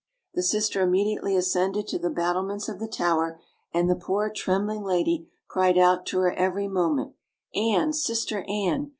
The sister immediately ascended to the battlements of ihe toiver, and the poor trembling lady cried out to her every moment: "Anne! Sister Anne!